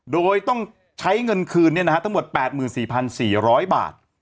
โดยต้องใช้เงินคืนทั้งหมด๘๔๔๐๐บาท